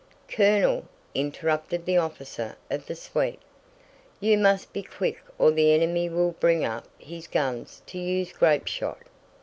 "Colonel," interrupted the officer of the suite, "You must be quick or the enemy will bring up his guns to use grapeshot."